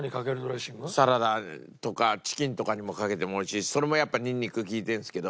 サラダとかチキンとかにもかけてもおいしいしそれもやっぱニンニク利いてるんですけど。